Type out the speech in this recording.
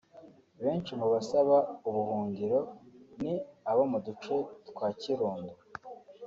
Benshi mu basaba ubuhungiro ni abo mu duce twa Kirundo